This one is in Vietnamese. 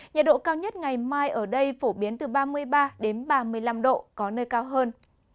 nhiệt độ cao nhất ngày mai ở đây phổ biến từ ba mươi ba đến ba mươi năm độ có nơi cao hơn